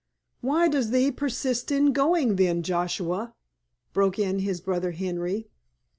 "Why does thee persist in going then, Joshua?" broke in his brother Henry.